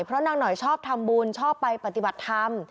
เพราะนางหน่อยชอบทำบุญชอบไปปฏิบัติธรรม